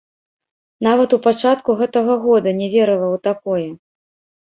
Нават у пачатку гэтага года не верыла ў такое.